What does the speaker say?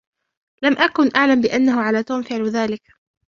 لم أكن أعلم بأنه على توم فعل ذلك.